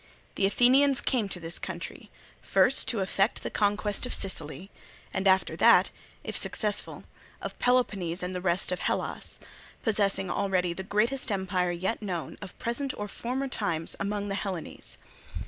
The Athenians came to this country first to effect the conquest of Sicily, and after that, if successful, of Peloponnese and the rest of Hellas, possessing already the greatest empire yet known, of present or former times, among the Hellenes.